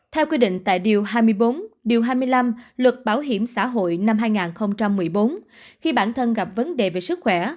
theo quy định tại điều hai mươi bốn điều hai mươi năm luật bảo hiểm xã hội năm hai nghìn một mươi bốn khi bản thân gặp vấn đề về sức khỏe